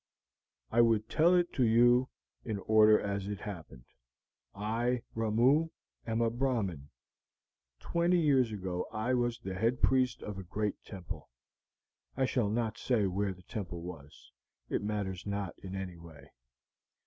"I would tell it you in order as it happened. I, Ramoo, am a Brahmin. Twenty years ago I was the head priest of a great temple. I shall not say where the temple was; it matters not in any way.